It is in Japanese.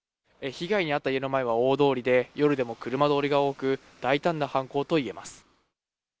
被害に遭った家の前は大通りで、夜でも車通りが多く、大胆な犯行といえます。